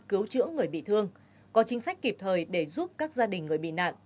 cứu chữa người bị thương có chính sách kịp thời để giúp các gia đình người bị nạn